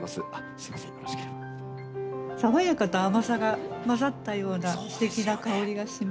爽やかと甘さが混ざったようなすてきな香りがします。